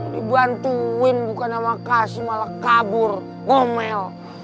dibantuin bukan sama kasih malah kabur ngomel